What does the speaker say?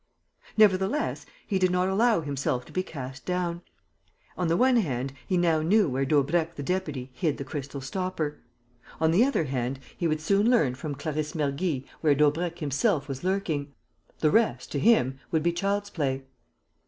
Nevertheless, he did not allow himself to be cast down. On the one hand, he now knew where Daubrecq the deputy hid the crystal stopper. On the other hand, he would soon learn from Clarisse Mergy where Daubrecq himself was lurking. The rest, to him, would be child's play.